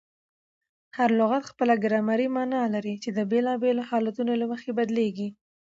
هر لغت خپله ګرامري مانا لري، چي د بېلابېلو حالتونو له مخه بدلېږي.